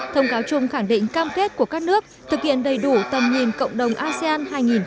thông cáo chung khẳng định cam kết của các nước thực hiện đầy đủ tầm nhìn cộng đồng asean hai nghìn hai mươi năm